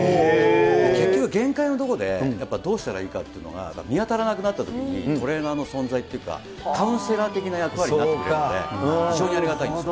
結局、限界のところで、やっぱどうしたらいいのかっていうのが見当たらなくなったときに、トレーナーの存在っていうか、カウンセラー的な役割になってくるので、非常にありがたいんです。